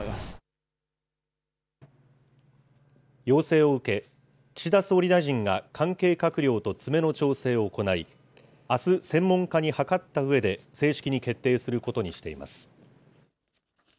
要請を受け、岸田総理大臣が関係閣僚と詰めの調整を行い、あす、専門家に諮ったうえで正式に決定することにしています。